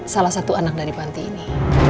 salah satu anak dari panti ini